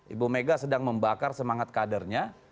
ibu mega sedang membakar semangat kadernya